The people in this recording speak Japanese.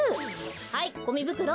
はいゴミぶくろ。